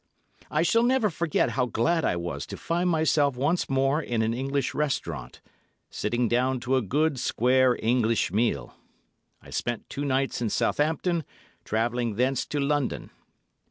I shall never forget how glad I was to find myself once more in an English restaurant, sitting down to a good, square English meal. I spent two nights in Southampton, travelling thence to London.